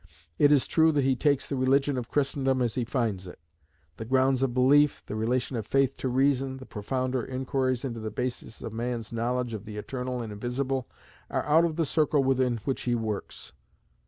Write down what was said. It is true that he takes the religion of Christendom as he finds it. The grounds of belief, the relation of faith to reason, the profounder inquiries into the basis of man's knowledge of the Eternal and Invisible, are out of the circle within which he works.